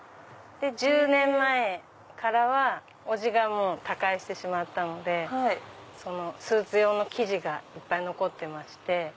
１０年前からはおじが他界してしまったのでスーツ用の生地がいっぱい残ってまして。